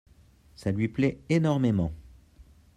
Ça lui plait énormément.